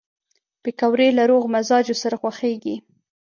پکورې له روغ مزاجو سره خوښېږي